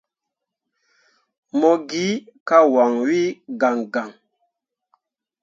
Mo gi ka wanwi gaŋgaŋ.